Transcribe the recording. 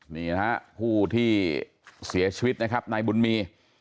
นี่นะฮะผู้ที่เสียชีวิตนะครับนายบุญมี